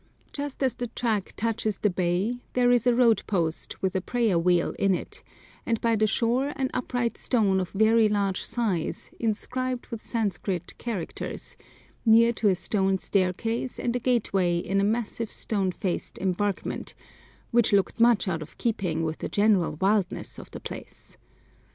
Just as the track touches the bay there is a road post, with a prayer wheel in it, and by the shore an upright stone of very large size, inscribed with Sanskrit characters, near to a stone staircase and a gateway in a massive stone faced embankment, which looked much out of keeping with the general wildness of the place.